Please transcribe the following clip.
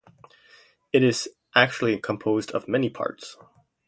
It is actually composed of many parts.